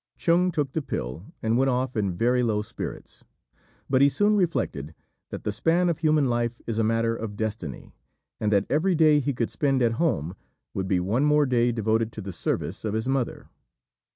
Chung took the pill, and went off in very low spirits; but he soon reflected that the span of human life is a matter of destiny, and that every day he could spend at home would be one more day devoted to the service of his mother.